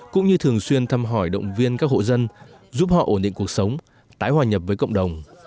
cũng như thường xuyên thăm hỏi động viên các hộ dân giúp họ ổn định cuộc sống tái hòa nhập với cộng đồng